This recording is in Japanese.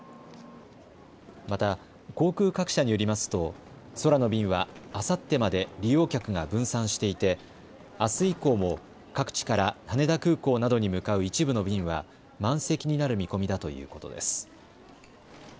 また航空各社によりますと空の便はあさってまで利用客が分散していて、あす以降も各地から羽田空港などに向かう一部の便は満席になる見込みだということです。